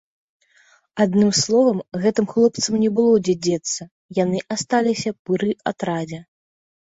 Адным словам, гэтым хлопцам не было дзе дзецца, яны асталіся пры атрадзе.